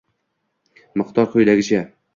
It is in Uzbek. Miqdor quyidagicha: